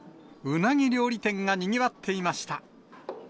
うなぎ料理店がにぎわっていました。